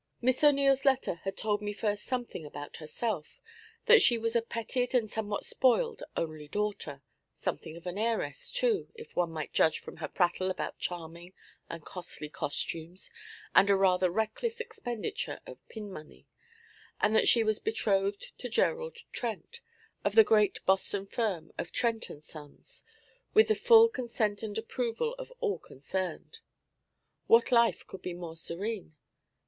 Miss O'Neil's letter had told me first something about herself: that she was a petted and somewhat spoiled only daughter; something of an heiress, too, if one might judge from her prattle about charming and costly costumes and a rather reckless expenditure of pin money; and that she was betrothed to Gerald Trent, of the great Boston firm of Trent and Sons, with the full consent and approval of all concerned. What life could be more serene?